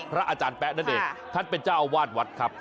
อาจารย์แป๊ะนั่นเองท่านเป็นเจ้าอาวาสวัดครับ